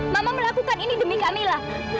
mama melakukan ini demi kamilah